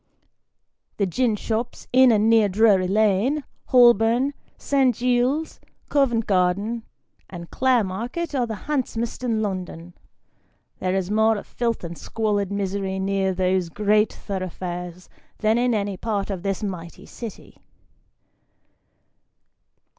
The gin shops in and 136 Sketches by Bos. near Drury Lane, Holborn, St. Giles's, Covent Garden, and Clare Market, are the handsomest in London. There is more of filth and squalid misery near those great thoroughfares than in any part of this mighty city.